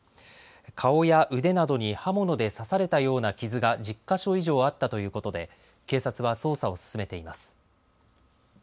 顔や腕などに刃物で刺されたような傷が１０か所以上あったということで警察は捜査を進めています。